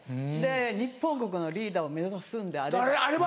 日本国のリーダーを目指すんであれば。